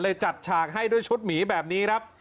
จัดฉากให้ด้วยชุดหมีแบบนี้ครับ